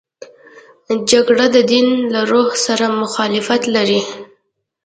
جګړه د دین له روح سره مخالفت لري